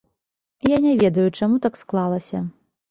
Я не ведаю, чаму так склалася.